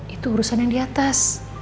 itu urusan yang diatas